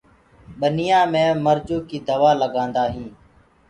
ٻنيآ مي مرجو ڪيٚ دوآ لگآندآ هينٚ۔